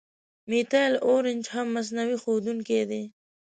میتایل آرنج هم مصنوعي ښودونکی دی.